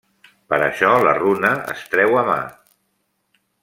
Per això la runa es treu a mà.